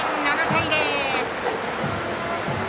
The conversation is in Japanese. ７対０！